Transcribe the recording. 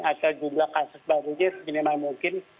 atau jumlah kasus barunya seminimal mungkin